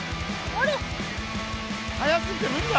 速すぎてむりだ。